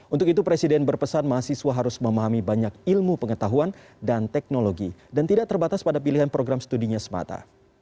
untuk itu presiden berpesan mahasiswa harus memahami banyak ilmu pengetahuan dan teknologi dan tidak terbatas pada pilihan program studinya semata